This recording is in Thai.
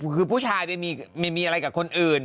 คือผู้ชายไปมีอะไรกับคนอื่น